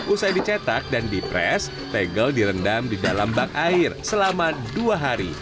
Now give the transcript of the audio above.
usai dicetak dan dipres tegel direndam di dalam bak air selama dua hari